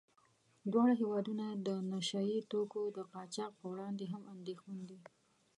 دواړه هېوادونه د نشه يي توکو د قاچاق په وړاندې هم اندېښمن دي.